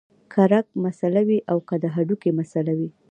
کۀ رګ مسئله وي او کۀ د هډوکي مسئله وي